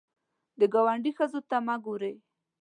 د ګاونډي ښځو ته مه ګورې